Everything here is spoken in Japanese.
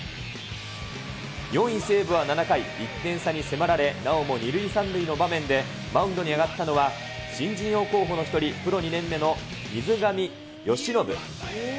４位西武は７回、１点差に迫られ、なおも２塁３塁の場面で、マウンドに上がったのは、新人王候補の一人、プロ２年目の水上由伸。